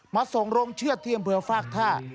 มาส่งโรงเชื่อเทียมเผลอฟากท่า